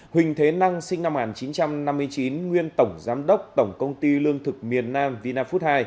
huỳnh thế năng sinh năm một nghìn chín trăm năm mươi chín nguyên tổng giám đốc tổng công ty lương thực miền nam vina food hai